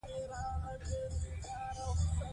دښمن ماته تر سوبې زیاته خوړه.